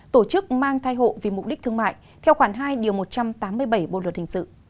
tổ chức mang thai hộ vì mục đích thương mại theo khoản hai điều một trăm tám mươi bảy bộ luật hình sự